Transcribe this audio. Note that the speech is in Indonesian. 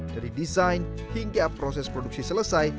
dari desain hingga proses produksi selesai